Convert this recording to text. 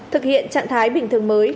thực hiện trạng thái bình thường mới